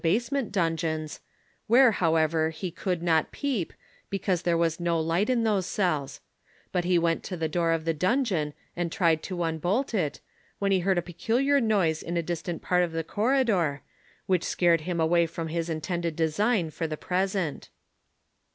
83 basement dungeons, where, however, he could not peep, because there was no light in those cells ; but he went to the door of the dungeon and tried to mibolt it, when he heard a peculiar noise in a distant part of the corridor, which scared him away from his intended design for the present.